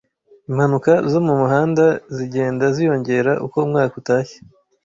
Impanuka zo mu muhanda zigenda ziyongera uko umwaka utashye.